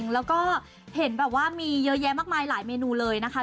แล้วก็เห็นแบบว่ามีเยอะแยะมากมายหลายเมนูเลยนะคะ